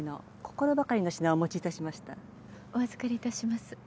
お預かりいたします。